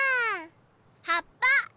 はっぱ！